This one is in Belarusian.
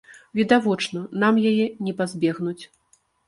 Відавочна, нам яе не пазбегнуць.